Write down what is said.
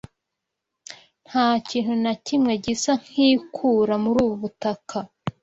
Nta kintu na kimwe gisa nkikura muri ubu butaka.